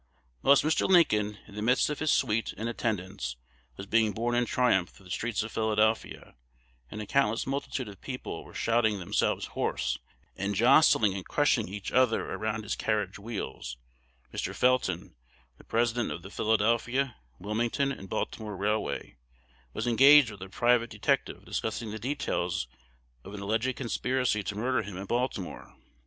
Whilst Mr. Lincoln, in the midst of his suite and attendants, was being borne in triumph through the streets of Philadelphia, and a countless multitude of people were shouting themselves hoarse, and jostling and crushing each other around his carriage wheels, Mr. Felton, the President of the Philadelphia, Wilmington, and Baltimore Railway, was engaged with a private detective discussing the details of an alleged conspiracy to murder him at Baltimore.